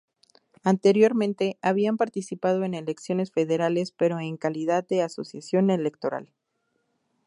Anteriormente, habían participado en elecciones federales pero en calidad de asociación electoral.